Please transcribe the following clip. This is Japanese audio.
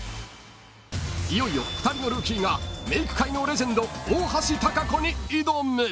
［いよいよ２人のルーキーがメイク界のレジェンド大橋タカコに挑む］